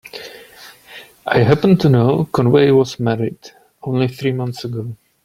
I happen to know Conway was married only three months ago.